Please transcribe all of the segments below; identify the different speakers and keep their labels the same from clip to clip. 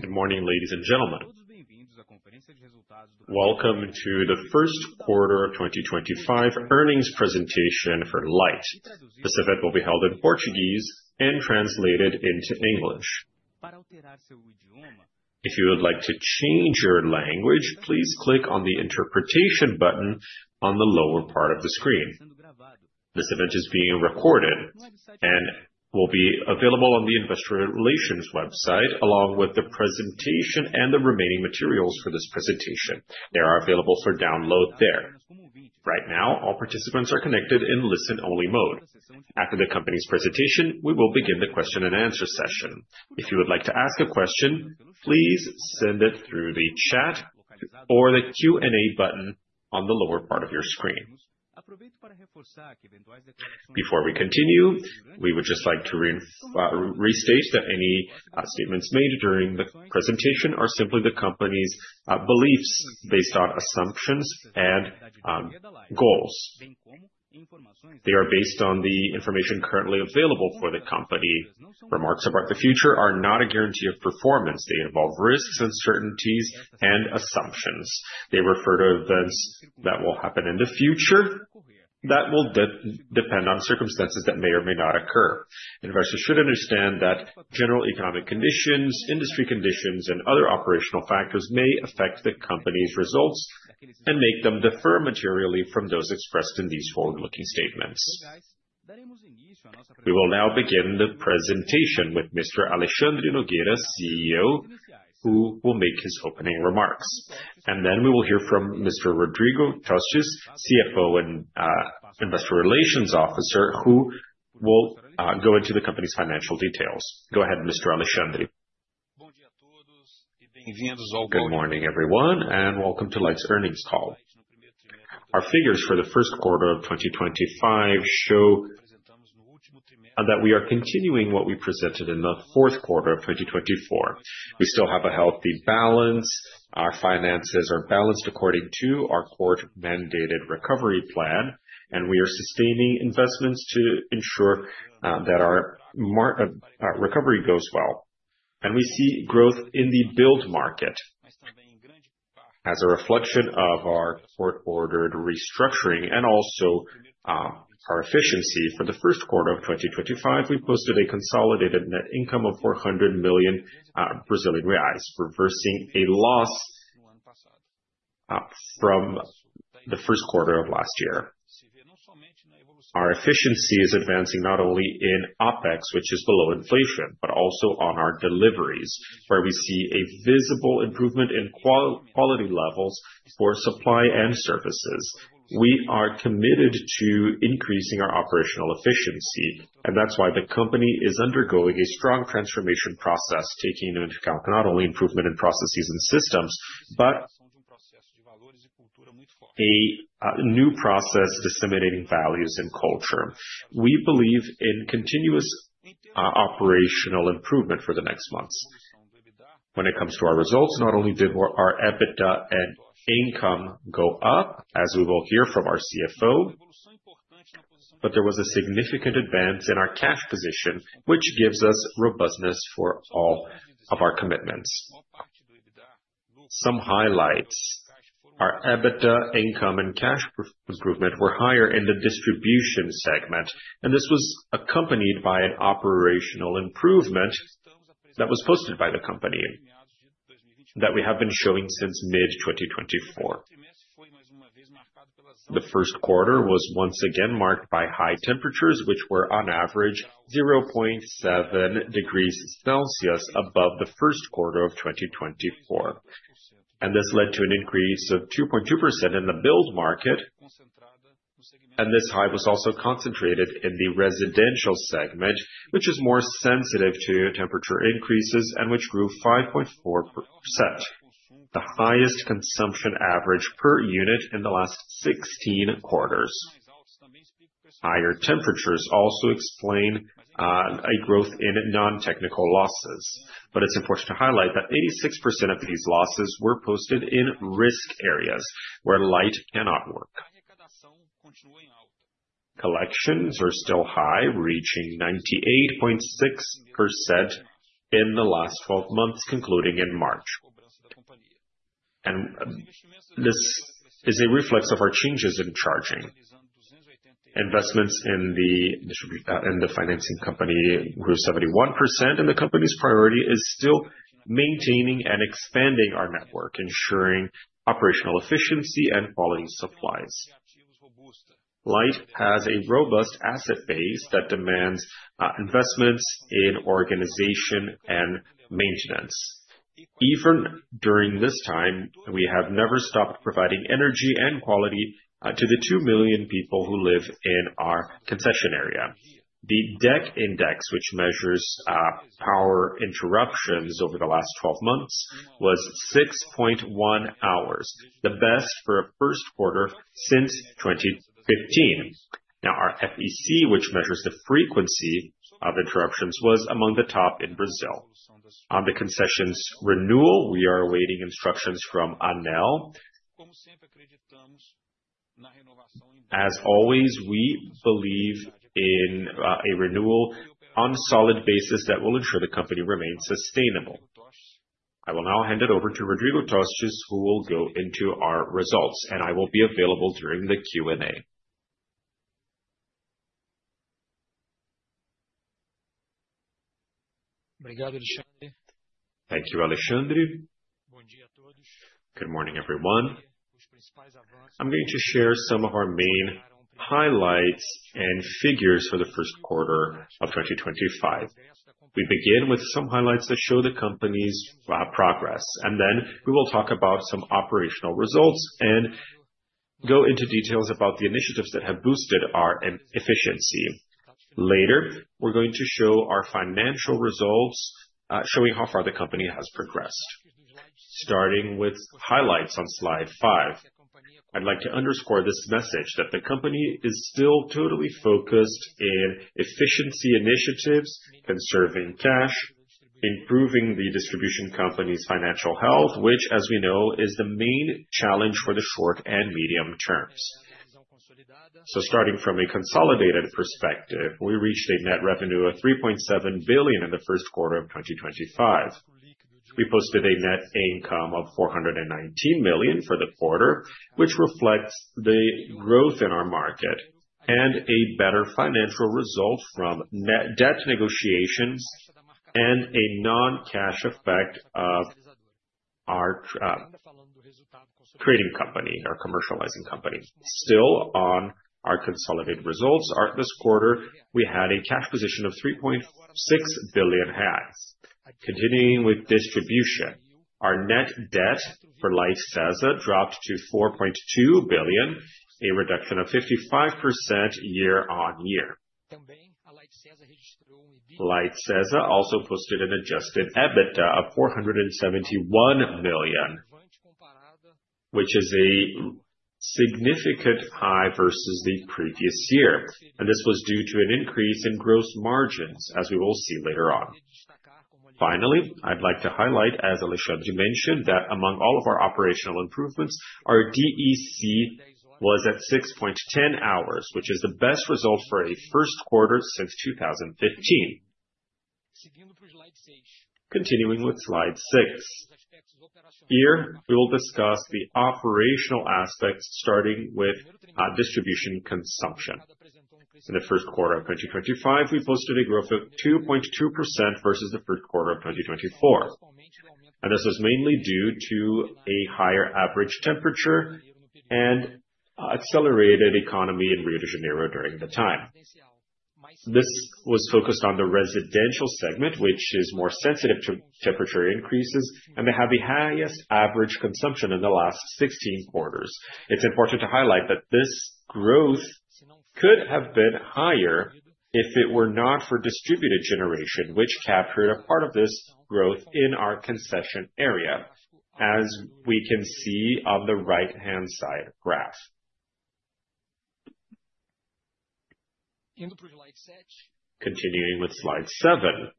Speaker 1: Good morning, ladies and gentlemen. Welcome to the First Quarter of 2025 Earnings Presentation for Light. This event will be held in Portuguese and translated into English. If you would like to change your language, please click on the 'Interpretation' button on the lower part of the screen. This event is being recorded and will be available on the Investor Relations website, along with the presentation and the remaining materials for this presentation. They are available for download there. Right now, all participants are connected in listen-only mode. After the company's presentation, we will begin the question-and-answer session. If you would like to ask a question, please send it through the chat or the 'Q&A' button on the lower part of your screen. Before we continue, we would just like to restate that any statements made during the presentation are simply the company's beliefs based on assumptions and goals. They are based on the information currently available for the company. Remarks about the future are not a guarantee of performance. They involve risks, uncertainties, and assumptions. They refer to events that will happen in the future that will depend on circumstances that may or may not occur. Investors should understand that general economic conditions, industry conditions, and other operational factors may affect the company's results and make them differ materially from those expressed in these forward-looking statements. We will now begin the presentation with Mr. Alexandre Nogueira, CEO, who will make his opening remarks. We will then hear from Mr. Rodrigo Tostes, CFO and Investor Relations Officer, who will go into the company's financial details. Go ahead, Mr. Alexandre. Good morning, everyone, and welcome to Light's earnings call. Our figures for the first quarter of 2025 show that we are continuing what we presented in the fourth quarter of 2024. We still have a healthy balance. Our finances are balanced according to our court-mandated recovery plan, and we are sustaining investments to ensure that our recovery goes well. We see growth in the build market as a reflection of our court-ordered restructuring and also our efficiency. For the first quarter of 2025, we posted a consolidated net income of 400 million Brazilian reais, reversing a loss from the first quarter of last year. Our efficiency is advancing not only in OPEX, which is below inflation, but also on our deliveries, where we see a visible improvement in quality levels for supply and services. We are committed to increasing our operational efficiency, and that's why the company is undergoing a strong transformation process, taking into account not only improvement in processes and systems, but a new process disseminating values and culture. We believe in continuous operational improvement for the next months. When it comes to our results, not only did our EBITDA and income go up, as we will hear from our CFO, but there was a significant advance in our cash position, which gives us robustness for all of our commitments. Some highlights: our EBITDA, income, and cash improvement were higher in the Distribution segment, and this was accompanied by an operational improvement that was posted by the company that we have been showing since mid-2024. The first quarter was once again marked by high temperatures, which were on average 0.7 degrees Celsius above the first quarter of 2024. This led to an increase of 2.2% in the build market. This high was also concentrated in the residential segment, which is more sensitive to temperature increases and which grew 5.4%, the highest consumption average per unit in the last 16 quarters. Higher temperatures also explain a growth in non-technical losses, but it's important to highlight that 86% of these losses were posted in risk areas where Light cannot work. Collections are still high, reaching 98.6% in the last 12 months, concluding in March. This is a reflex of our changes in charging. Investments in the financing company grew 71%, and the company's priority is still maintaining and expanding our network, ensuring operational efficiency and quality supplies. Light has a robust asset base that demands investments in organization and maintenance. Even during this time, we have never stopped providing energy and quality to the 2 million people who live in our concession area. The DEC index, which measures power interruptions over the last 12 months, was 6.1 hours, the best for a first quarter since 2015. Now, our FEC, which measures the frequency of interruptions, was among the top in Brazil. On the concessions renewal, we are awaiting instructions from ANEEL. As always, we believe in a renewal on a solid basis that will ensure the company remains sustainable. I will now hand it over to Rodrigo Tostes, who will go into our results, and I will be available during the Q&A. Thank you, Alexandre. Good morning, everyone. I'm going to share some of our main highlights and figures for the first quarter of 2025. We begin with some highlights that show the company's progress, and then we will talk about some operational results and go into details about the initiatives that have boosted our efficiency. Later, we're going to show our financial results, showing how far the company has progressed. Starting with highlights on slide five, I'd like to underscore this message that the company is still totally focused in efficiency initiatives, conserving cash, improving the distribution company's financial health, which, as we know, is the main challenge for the short and medium terms. Starting from a consolidated perspective, we reached a net revenue of 3.7 billion in the first quarter of 2025. We posted a net income of 419 million for the quarter, which reflects the growth in our market and a better financial result from net debt negotiations and a non-cash effect of our trading company, our commercializing company. Still, on our consolidated results this quarter, we had a cash position of 3.6 billion. Continuing with distribution, our net debt for Light SESA dropped to 4.2 billion, a reduction of 55% year-on-year. Light SESA also posted an adjusted EBITDA of 471 million, which is a significant high versus the previous year. This was due to an increase in gross margins, as we will see later on. Finally, I would like to highlight, as Alexandre mentioned, that among all of our operational improvements, our DEC was at 6.10 hours, which is the best result for a first quarter since 2015. Continuing with slide six, here we will discuss the operational aspects, starting with distribution consumption. In the first quarter of 2025, we posted a growth of 2.2% versus the first quarter of 2024. This was mainly due to a higher average temperature and accelerated economy in Rio de Janeiro during the time. This was focused on the residential segment, which is more sensitive to temperature increases and they have the highest average consumption in the last 16 quarters. It's important to highlight that this growth could have been higher if it were not for distributed generation, which captured a part of this growth in our concession area, as we can see on the right-hand side graph. Continuing with slide seven,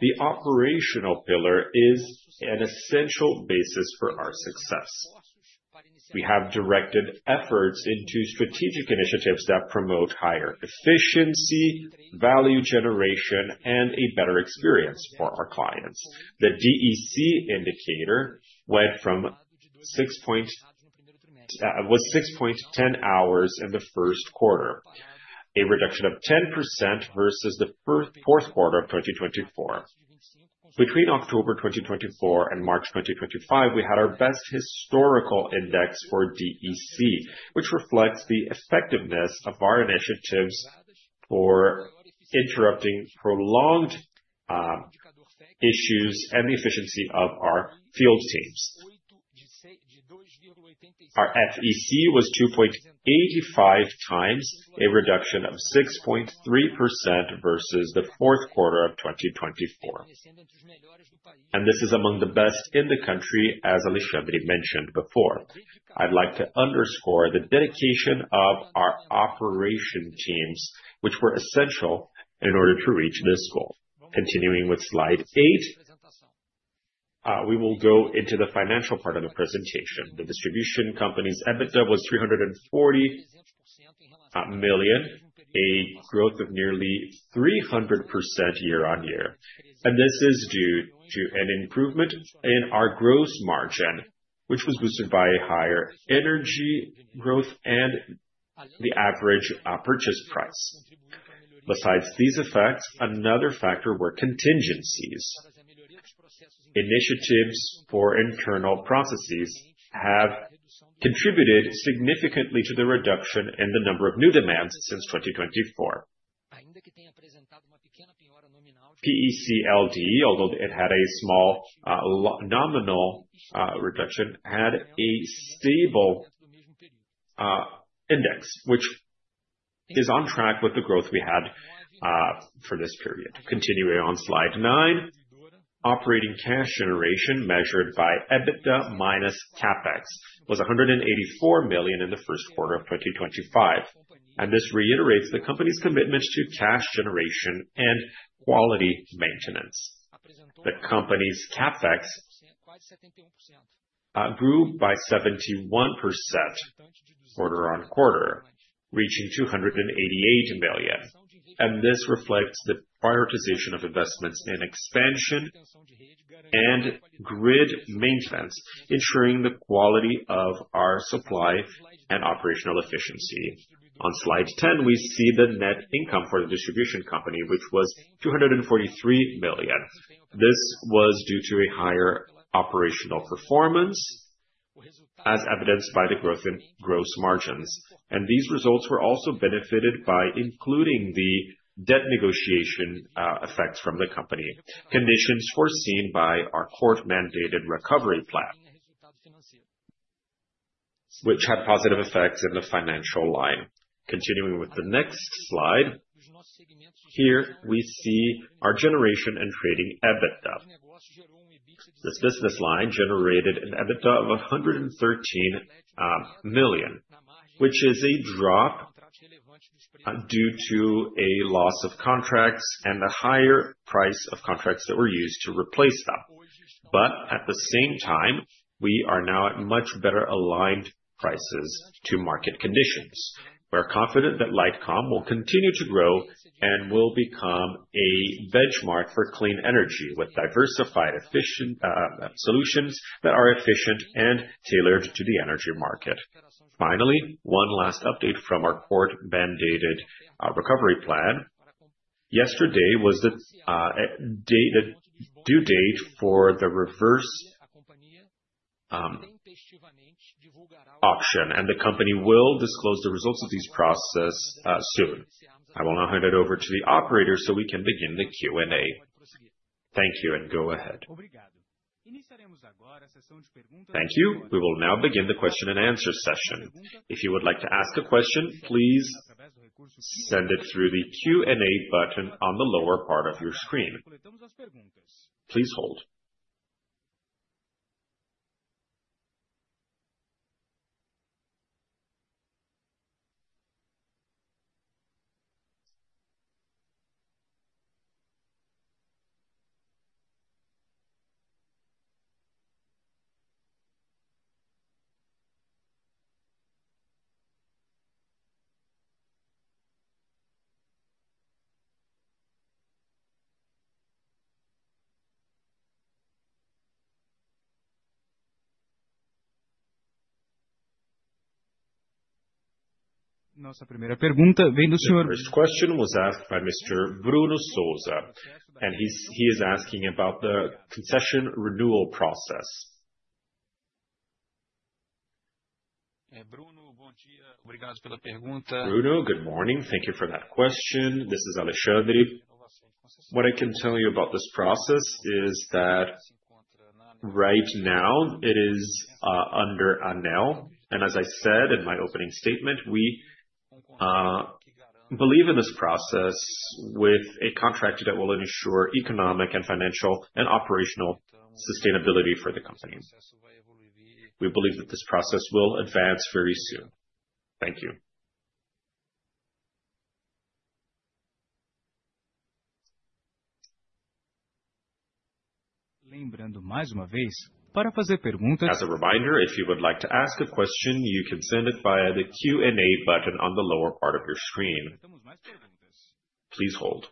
Speaker 1: the operational pillar is an essential basis for our success. We have directed efforts into strategic initiatives that promote higher efficiency, value generation, and a better experience for our clients. The DEC indicator went from 6.10 hours in the first quarter, a reduction of 10% versus the fourth quarter of 2024. Between October 2024 and March 2025, we had our best historical index for DEC, which reflects the effectiveness of our initiatives for interrupting prolonged issues and the efficiency of our field teams. Our FEC was 2.85x, a reduction of 6.3% versus the fourth quarter of 2024. This is among the best in the country, as Alexandre mentioned before. I'd like to underscore the dedication of our operation teams, which were essential in order to reach this goal. Continuing with slide eight, we will go into the financial part of the presentation. The distribution company's EBITDA was 340 million, a growth of nearly 300% year-on-year. This is due to an improvement in our gross margin, which was boosted by higher energy growth and the average purchase price. Besides these effects, another factor was contingencies. Initiatives for internal processes have contributed significantly to the reduction in the number of new demands since 2024. PEC LD, although it had a small nominal reduction, had a stable index, which is on track with the growth we had for this period. Continuing on slide nine, operating cash generation measured by EBITDA minus CAPEX was 184 million in the first quarter of 2025. This reiterates the company's commitment to cash generation and quality maintenance. The company's CAPEX grew by 71% quarter-on-quarter, reaching 288 million. This reflects the prioritization of investments in expansion and grid maintenance, ensuring the quality of our supply and operational efficiency. On slide 10, we see the net income for the distribution company, which was 243 million. This was due to a higher operational performance, as evidenced by the growth in gross margins. These results were also benefited by including the debt negotiation effects from the company, conditions foreseen by our court-mandated recovery plan, which had positive effects in the financial line. Continuing with the next slide, here we see our generation and trading EBITDA. This business line generated an EBITDA of 113 million, which is a drop due to a loss of contracts and the higher price of contracts that were used to replace them. But at the same time, we are now at much better aligned prices to market conditions. We are confident that Lightcom will continue to grow and will become a benchmark for clean energy with diversified solutions that are efficient and tailored to the energy market. Finally, one last update from our court-mandated recovery plan. Yesterday was the due date for the reverse auction, and the company will disclose the results of these processes soon. I will now hand it over to the operators so we can begin the Q&A. Thank you, and go ahead. Thank you. We will now begin the question-and-answer session. If you would like to ask a question, please send it through the Q&A button on the lower part of your screen. Please hold. This question was asked by Mr. Bruno Sousa, and he is asking about the concession renewal process. Bruno, good morning. Thank you for that question. This is Alexandre. What I can tell you about this process is that right now it is under ANEEL. As I said in my opening statement, we believe in this process with a contractor that will ensure economic and financial and operational sustainability for the company. We believe that this process will advance very soon. Thank you. As a reminder, if you would like to ask a question, you can send it via the Q&A button on the lower part of your screen. Please hold.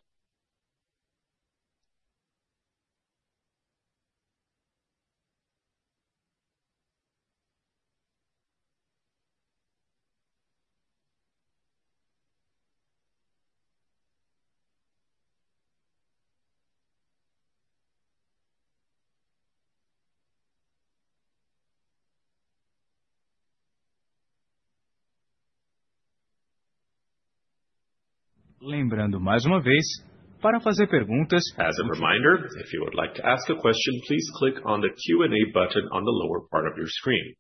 Speaker 1: As a reminder, if you would like to ask a question, please click on the Q&A button on the lower part of your screen.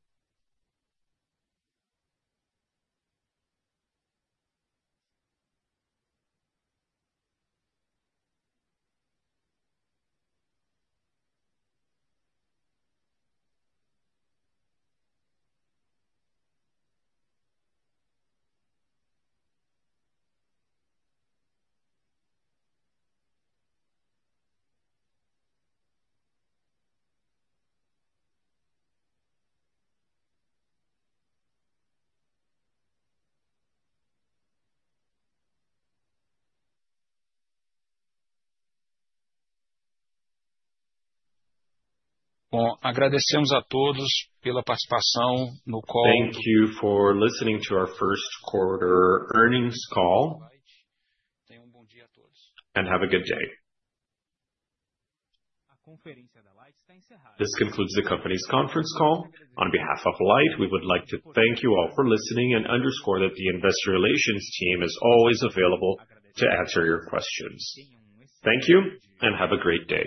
Speaker 1: Thank you for listening to our first quarter earnings call. And have a good day. This concludes the company's conference call. On behalf of Light, we would like to thank you all for listening and underscore that the investor relations team is always available to answer your questions. Thank you and have a great day.